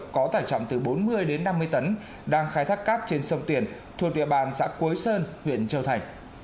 có tải trọng từ bốn mươi đến năm mươi tấn đang khai thác cát trên sông tiền thuộc địa bàn xã quế sơn huyện châu thành